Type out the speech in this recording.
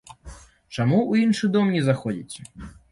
Чаму ў іншы дом не заходзіце?